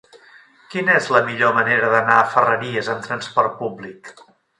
Quina és la millor manera d'anar a Ferreries amb transport públic?